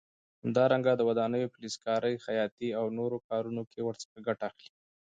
همدارنګه د ودانیو، فلزکارۍ، خیاطۍ او نورو کارونو کې ورڅخه ګټه اخلي.